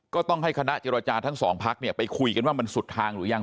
ก็ต้องให้คณะเจรจาทั้งสองพักเนี่ยไปคุยกันว่ามันสุดทางหรือยัง